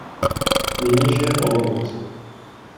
Nyní žije v Olomouci.